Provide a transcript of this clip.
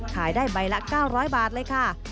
ขายได้ใบละ๙๐๐บาทเลยค่ะ